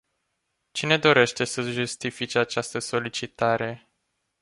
Cine dorește să justifice această solicitare?